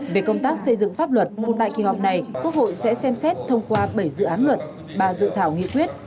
về công tác xây dựng pháp luật tại kỳ họp này quốc hội sẽ xem xét thông qua bảy dự án luật ba dự thảo nghị quyết